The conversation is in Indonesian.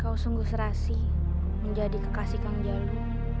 kau sungguh serasi menjadi kekasih kang jalu